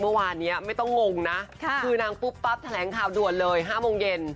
เมื่อวานนี้ไม่ต้องงงนะคือนางปุ๊บปั๊บแถลงข่าวด่วนเลย๕โมงเย็น